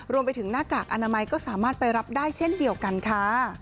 รวมไปถึงหน้ากากอนามัยก็สามารถไปรับได้เช่นเดียวกันค่ะ